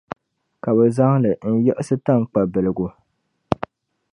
Ka bɛ zaŋ li n-yiɣisi taŋkpagbiligu.